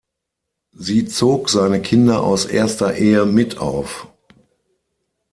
Sie zog seine Kinder aus erster Ehe mit auf.